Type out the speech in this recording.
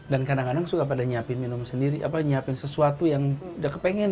dan kadang kadang suka pada nyiapin minum sendiri apa nyiapin sesuatu yang udah kepengen